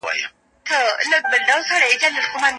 ټولنپوهان کولای سي اتحادیې د یو کوچني واحد په توګه وڅېړي.